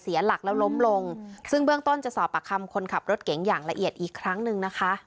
เสียหลักแล้วล้มลงซึ่งเบื้องต้นจะสอบปากคำคนขับรถเก๋งอย่างละเอียดอีกครั้งหนึ่งนะคะ